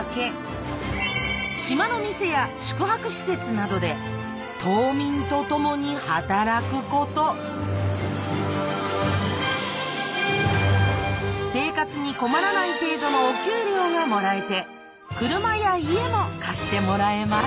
島の店や宿泊施設などで生活に困らない程度のお給料がもらえて車や家も貸してもらえます。